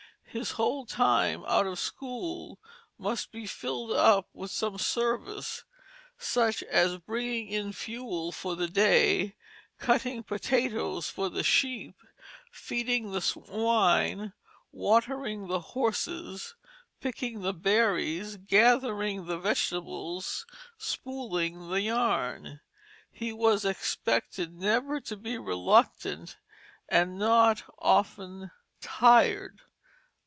His whole time out of school must be filled up with some service, such as bringing in fuel for the day, cutting potatoes for the sheep, feeding the swine, watering the horses, picking the berries, gathering the vegetables, spooling the yarn. He was expected never to be reluctant and not often tired."